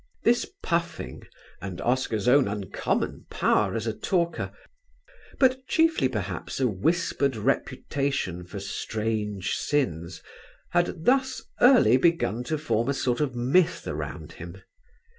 This puffing and Oscar's own uncommon power as a talker; but chiefly perhaps a whispered reputation for strange sins, had thus early begun to form a sort of myth around him.